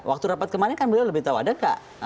waktu rapat kemarin kan beliau lebih tahu ada nggak